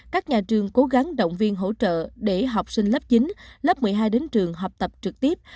các nhà trường cố gắng động viên hỗ trợ để học sinh lớp chín lớp một mươi hai đến trường học tập trực tiếp